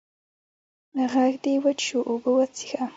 ږغ دي وچ سو، اوبه وڅيښه!